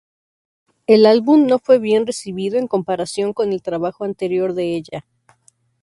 El álbum no fue bien recibido en comparación con el trabajo anterior de ella.